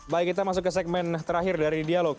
baik kita masuk ke segmen terakhir dari dialog